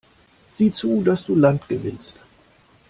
Sieh zu, dass du Land gewinnst!